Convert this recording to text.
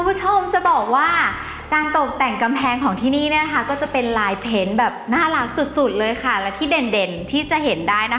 คุณผู้ชมจะบอกว่าการตกแต่งกำแพงของที่นี่เนี่ยนะคะก็จะเป็นลายเพนแบบน่ารักสุดสุดเลยค่ะและที่เด่นที่จะเห็นได้นะคะ